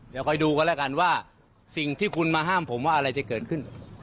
เดี๋ยวคอยดูกันแล้วกันว่าสิ่งที่คุณมาห้ามผมว่าอะไรจะเกิดขึ้น